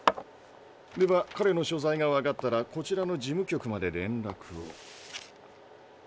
では彼の所在がわかったらこちらの事務局まで連絡を。